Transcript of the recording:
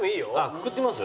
くくってみます？